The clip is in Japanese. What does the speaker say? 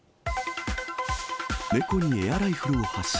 猫にエアライフルを発射。